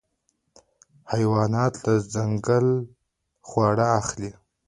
حیوانات له ځنګله خواړه اخلي.